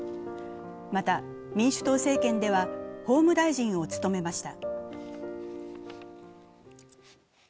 また、民主党政権では法務大臣を務めました。